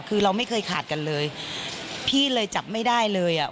คือเราไม่เคยขาดกันเลยพี่เลยจับไม่ได้เลยอ่ะ